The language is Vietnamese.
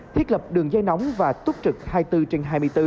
thiết lập đường dây nóng và túc trực hai mươi bốn trên hai mươi bốn